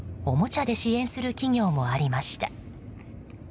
おもちゃで支援する企業もありました。